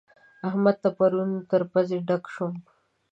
احمد ته پرون تر پزې ډک شوم.